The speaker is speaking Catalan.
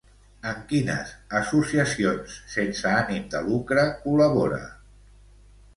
En quines associacions sense ànim de lucre col·labora?